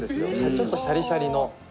ちょっとシャリシャリの」